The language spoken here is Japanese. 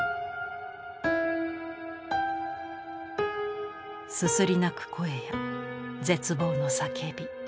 すすり泣く声や絶望の叫び。